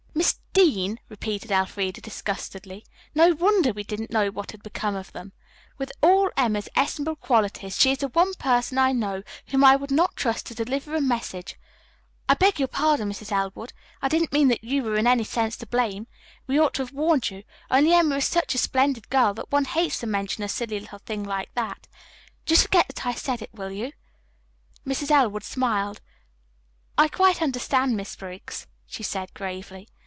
"Miss Dean," repeated Elfreda disgustedly. "No wonder we didn't know what had become of them. With all Emma's estimable qualities, she is the one person I know whom I would not trust to deliver a message. I beg your pardon, Mrs. Elwood, I didn't mean that you were in any sense to blame. We ought to have warned you, only Emma is such a splendid girl that one hates to mention a silly little thing like that. Just forget that I said it, will you?" Mrs. Elwood smiled. "I quite understand, Miss Briggs," she said gravely.